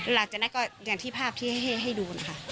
หลังจากนั้นก็อย่างที่ภาพที่ให้ดูนะคะ